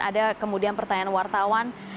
ada kemudian pertanyaan wartawan